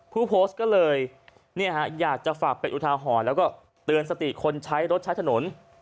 ผู้โพสต์ก็เลยอยากจะฝากเป็นอุทาหรณ์แล้วก็เตือนสติคนใช้รถใช้ถนน